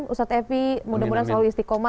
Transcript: ustadz evi mudah mudahan selalu istiqomah